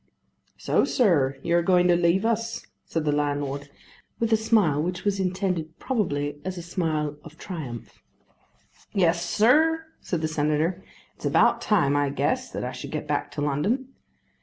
"So, sir, you are going to leave us," said the landlord, with a smile which was intended probably as a smile of triumph. "Yes, sir," said the Senator. "It's about time, I guess, that I should get back to London."